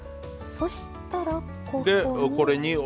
そしたらここに。